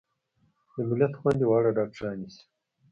د ملت خويندې دې واړه ډاکترانې شي